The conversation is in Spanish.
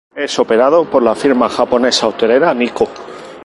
Es operado por la firma japonesa hotelera Nikko.